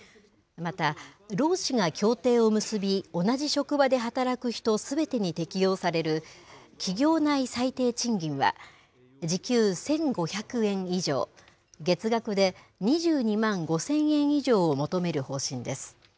また、労使が協定を結び、同じ職場で働く人すべてに適用される、企業内最低賃金は時給１５００円以上、月額で２２万５０００円以上を求める方針です。